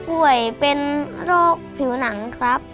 ป่วยเป็นโรคผิวหนังครับ